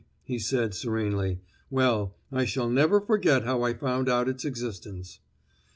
he said serenely. "Well, I shall never forget how I found out its existence."